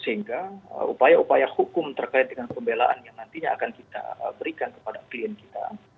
sehingga upaya upaya hukum terkait dengan pembelaan yang nantinya akan kita berikan kepada klien kita